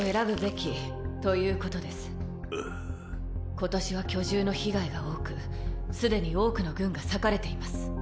今年は巨獣の被害が多くすでに多くの軍が割かれています。